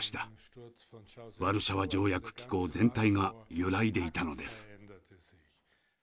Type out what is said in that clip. ワルシャワ条約機構全体が揺らいでいたのです。